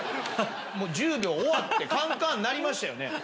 １０秒終わってカンカン鳴りましたよね。